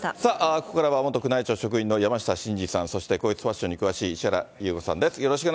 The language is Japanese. ここからは元宮内庁職員の山下晋司さん、そして皇室ファッションに詳しい石原裕子さんです。